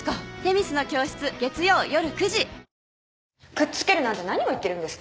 くっつけるなんて何を言ってるんですか。